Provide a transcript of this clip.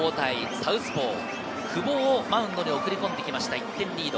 サウスポー・久保をマウンドに送り込んできました、１点リード。